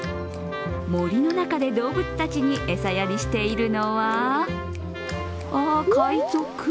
森の中で動物たちに餌やりしているのは、海賊？